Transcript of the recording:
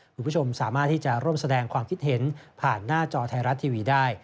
คุณผู้ชมสามารถที่จะร่วมแสดงความคิดเห็นผ่านหน้าจอไทยรัฐทีวีได้